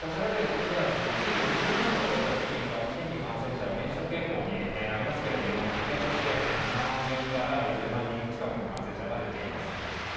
こちらでは、一時２０万人を超えた新規感染者が減少傾向にありますけれども、依然として７万人から１０万人近くの感染者が出ています。